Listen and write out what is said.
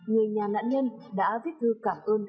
người nhà nạn nhân đã viết thư cảm ơn